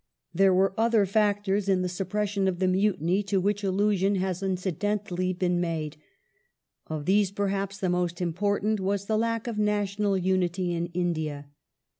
There were other factors in the suppression of the Mutiny, to which allusion has already incidentally been made. Of these, perhaps the most important was the lack of national unity in India.